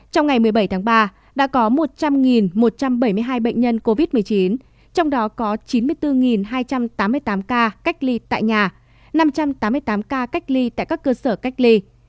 trong ngày một mươi bảy tháng ba đã có một trăm linh một trăm bảy mươi hai bệnh nhân covid một mươi chín trong đó có chín mươi bốn hai trăm tám mươi tám ca cách ly tại nhà năm trăm tám mươi tám ca cách ly tại các cơ sở cách ly